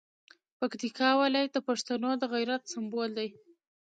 پکتیکا ولایت د پښتنو د غیرت سمبول دی.